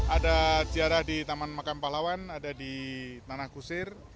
ada ziarah di taman makam pahlawan ada di tanah kusir